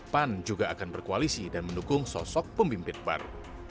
pan juga akan berkoalisi dan mendukung sosok pemimpin baru